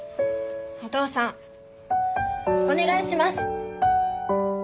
お父さんお願いします。